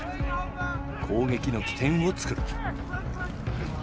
攻撃の起点を作る。